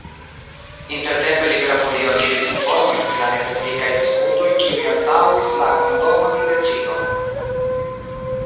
Intertempe Libera Folio akiris informojn pri la nepublikaj diskutoj kiuj antaŭis la kondoman decidon.